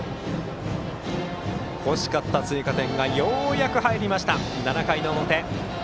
欲しかった追加点がようやく入りました７回の表、大垣日大。